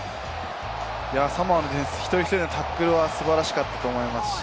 サモアのディフェンス、一人一人のタックルは素晴らしかったと思います。